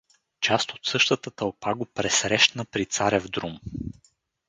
Част от същата тълпа го пресрещна при Царев друм.